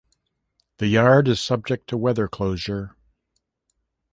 The yard is subject to weather closure.